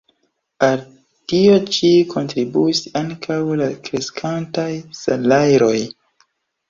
Al tio ĉi kontribuis ankaŭ la kreskantaj salajroj.